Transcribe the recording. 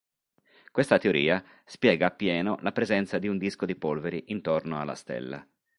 Questa teoria spiega appieno la presenza di un disco di polveri intorno alla stella.